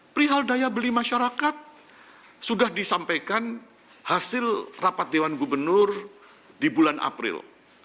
perihal daya beli masyarakat sudah disampaikan hasil rapat dewan gubernur di bulan april